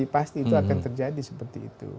pasti itu akan terjadi seperti itu